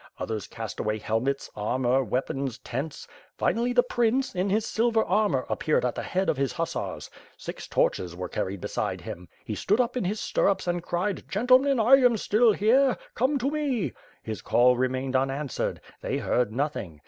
Others cast away helmets, armor, weapons, tents. Finally, the prince, in his silver armor appeared at the head of his hussars. Six torches were carried beside him. He stood up in his stirrups and cried, 'Gentlemen, I am still here; come to me!' His call remained unanswered; they heard nothing.